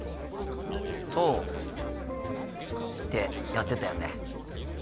とってやってたよね。